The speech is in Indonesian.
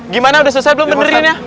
gimana udah selesai belum benerin ya